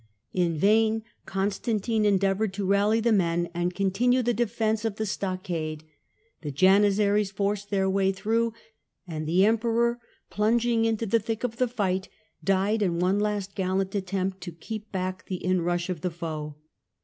In vain Constantine endeavoured to rally the men and continue the defence of the stockade ; the Janissaries forced their way through, and the Emperor, plunging into the thick of the fight, died in one last gallant attempt in keep back the inrush of the foe.